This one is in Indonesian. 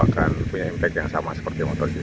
akan punya impact yang sama seperti motor grou